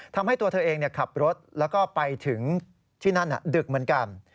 ทำให้ตัวเธอเองขับรถแล้วก็ไปถึงที่นั่นดึกเหมือนกัน